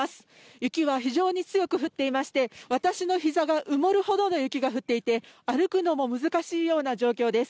雪は非常に強く降っていまして、私の膝が埋まるほどの雪が降っていて、歩くのも難しいような状況です。